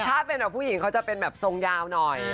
ถ้าเป็นแบบผู้หญิงเขาจะเป็นแบบทรงยาวหน่อย